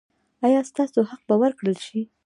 ایا ستاسو حق به ورکړل شي؟